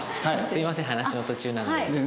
すみません話の途中なのに。